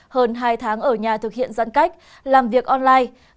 hơn hai tháng ở nhà thực hiện giãn cách làm việc online